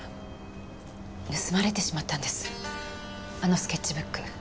盗まれてしまったんですあのスケッチブック。